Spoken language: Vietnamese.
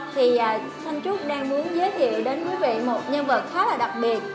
thì thanh trúc đang muốn giới thiệu đến quý vị một nhân vật khá là đặc biệt